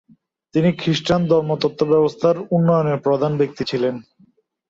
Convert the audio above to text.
তিনি খ্রিস্টান ধর্মতত্ত্ব ব্যবস্থার উন্নয়নের প্রধান ব্যক্তি ছিলেন।